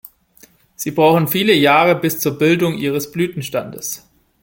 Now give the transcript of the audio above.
Sie brauchen viele Jahre bis zur Bildung ihres Blütenstandes.